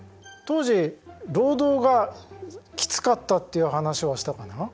当時労働がきつかったっていう話はしたかな？